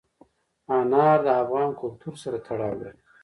انار د افغان کلتور سره تړاو لري.